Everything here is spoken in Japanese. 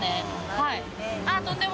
はい？